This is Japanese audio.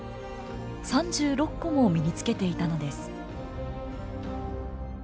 ３６個も身につけていたのです。